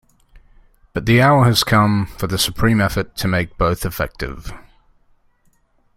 But the hour has come for the supreme effort to make both effective.